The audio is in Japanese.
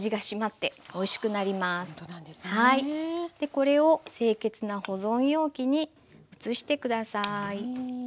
これを清潔な保存容器に移して下さい。